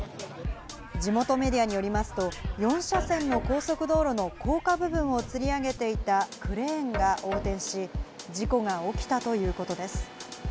地元メディアによりますと、４車線の高速道路の高架部分をつり上げていたクレーンが横転し、事故が起きたということです。